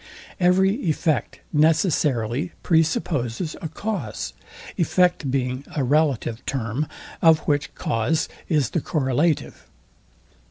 Every effect necessarily pre supposes a cause; effect being a relative term, of which cause is the correlative.